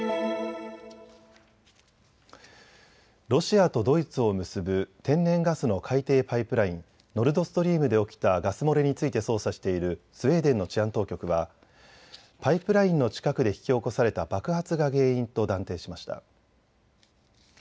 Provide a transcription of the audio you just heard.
ロシアとドイツを結ぶ天然ガスの海底パイプライン、ノルドストリームで起きたガス漏れについて捜査しているスウェーデンの治安当局はパイプラインの近くで引き起こされた爆発が原因と断定しました。